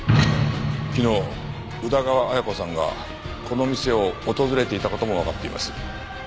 昨日宇田川綾子さんがこの店を訪れていた事もわかっています。